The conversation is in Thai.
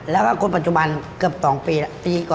แล้วก็คนปัจจุบันเกือบ๒ปีก่อน